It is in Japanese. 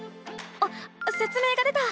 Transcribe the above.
あっせつ明が出た！